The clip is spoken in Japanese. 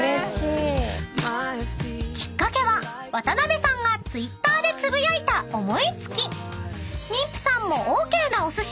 ［きっかけは渡邊さんがＴｗｉｔｔｅｒでつぶやいた思い付き］